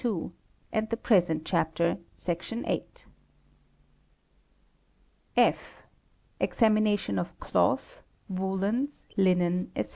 and the present chapter Sec. viii.) F, Examination of Cloth, Woollens, Linen, &c.